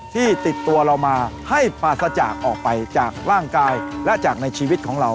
ที่ติดตัวเรามาให้ปราศจากออกไปจากร่างกายและจากในชีวิตของเรา